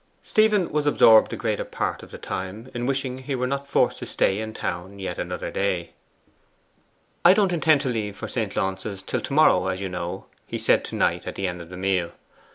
Stephen was absorbed the greater part of the time in wishing he were not forced to stay in town yet another day. 'I don't intend to leave for St. Launce's till to morrow, as you know,' he said to Knight at the end of the meal.